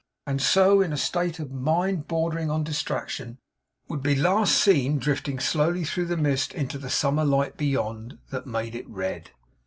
and so, in a state of mind bordering on distraction, would be last seen drifting slowly through the mist into the summer light beyond, that made it red.